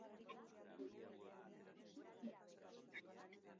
Saga eta Martin Suediako eta Danimarkako bi polizia dira.